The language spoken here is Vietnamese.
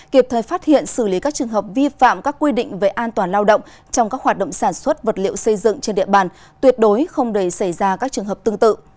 kịp thời phát hiện xử lý các trường hợp vi phạm các quy định về an toàn lao động trong các hoạt động sản xuất vật liệu xây dựng trên địa bàn tuyệt đối không để xảy ra các trường hợp tương tự